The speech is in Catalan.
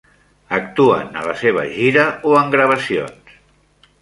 Actuen a la seva gira o en gravacions.